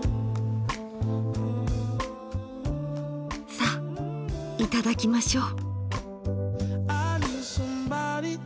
さあいただきましょう。